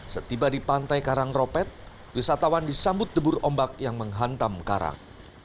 setiba di pantai karangropet wisatawan disambut debur ombak yang menghantam karang